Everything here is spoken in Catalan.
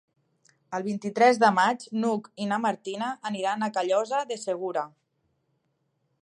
El vint-i-tres de maig n'Hug i na Martina aniran a Callosa de Segura.